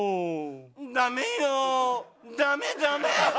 ダメよダメダメ！